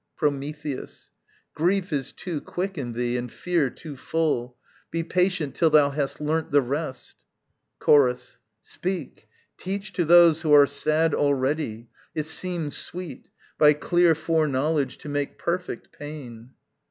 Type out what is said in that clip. Prometheus. Grief is too quick in thee and fear too full: Be patient till thou hast learnt the rest. Chorus. Speak: teach To those who are sad already, it seems sweet, By clear foreknowledge to make perfect, pain.